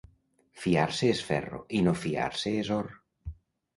Fiar-se és ferro i no fiar-se és or.